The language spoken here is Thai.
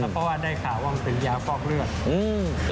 เพราะว่าได้ขาว่างเป็นยาฟอกเลือด